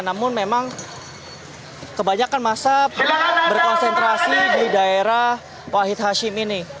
namun memang kebanyakan masa berkonsentrasi di daerah wahid hashim ini